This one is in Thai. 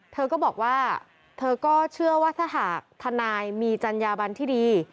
เธอก็บอกว่าเธอก็เชื่อว่าถ้าหากทนายมีจัญญาบันที่ดี